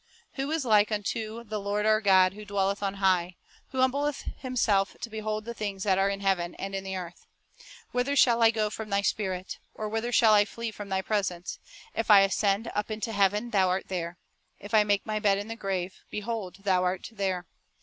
"Who is like unto the Lord our God, who dwelleth on high. Who humbleth Himself to behold the things that are in heaven, and in the earth !"" Whither shall I go from Thy Spirit? Or whither shall I flee from Thy presence? If I ascend up into heaven, Thou art there ; If I make my bed in the grave, 5 behold, Thou art there.